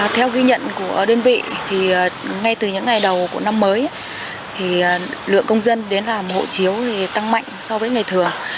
theo ghi nhận của đơn vị thì ngay từ những ngày đầu của năm mới thì lượng công dân đến làm hộ chiếu thì tăng mạnh so với ngày thường